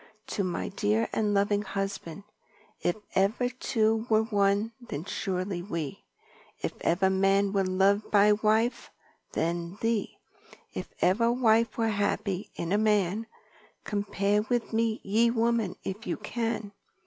"To my dear and loving Husband: If ever two were one then surely we, If ever man were loved by wife, then thee; If ever wife was happy in a man, Compare with me ye women if you can.